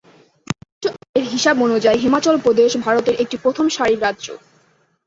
মাথাপিছু আয়ের হিসেব অনুযায়ী হিমাচল প্রদেশ ভারতের একটি প্রথম সারির রাজ্য।